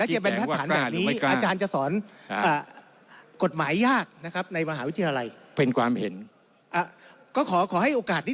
จะเป็นทัศน์แบบนี้อาจารย์จะสอนกฎหมายยากนะครับในมหาวิทยาลัยเป็นความเห็นก็ขอขอให้โอกาสที่